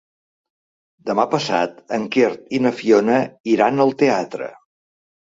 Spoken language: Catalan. Demà passat en Quer i na Fiona iran al teatre.